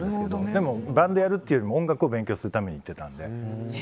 でも、バンドやるというより音楽を勉強するために行っていたので。